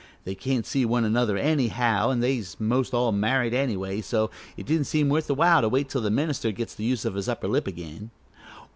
They can't see one another anyhow, an' they was most all married anyway, so it didn't seem worth while to wait till the minister gets the use of his upper lip again."